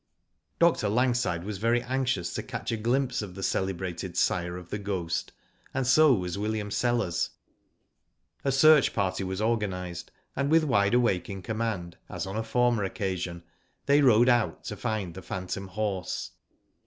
Dr. Langside was very anxious to catch a glimpse of the celebrated sire of The Ghost, and so was William Sellers. A search party was organised, and with Wide Digitized byGoogk MUNDA ONCE MORE. 287 Awake in command, as on a former occasion, they rode out to find the phantom horse.